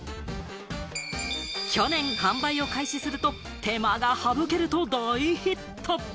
去年、販売を開始すると手間が省けると大ヒット！